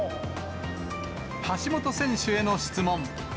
橋本選手への質問。